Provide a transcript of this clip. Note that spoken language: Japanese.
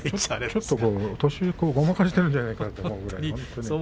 年をごまかしているんじゃないかと思うぐらい